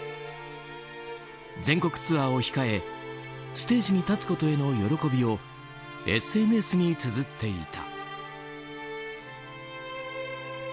全国ツアーを控えステージに立つことへの喜びをＳＮＳにつづっていた。